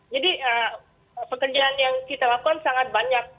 jadi pekerjaan yang kita lakukan sangat banyak